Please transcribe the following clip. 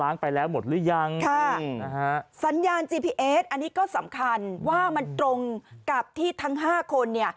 นี่ก็สำคัญว่ามันตรงกับที่ทั้ง๕คน